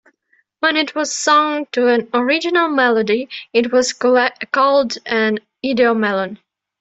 When it was sung to an original melody, it was called an "idiomelon".